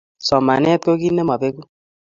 Somanet ko kito nemabeku